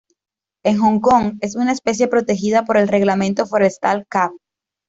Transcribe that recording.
En Hong Kong, es una especie protegida por el "Reglamento Forestal Cap.